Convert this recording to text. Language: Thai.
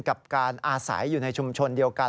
กับการอาศัยอยู่ในชุมชนเดียวกัน